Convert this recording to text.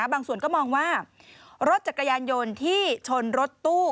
บางส่วนก็มองว่ารถจักรยานยนต์ที่ชนรถตู้